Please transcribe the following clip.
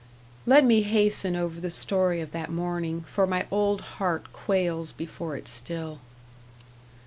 Let me hasten over the story of that morning, for my old heart quails before it still.